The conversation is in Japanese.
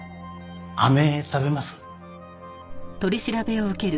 あめ食べます？